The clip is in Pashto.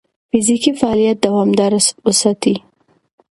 فزیکي فعالیت دوامداره وساتئ.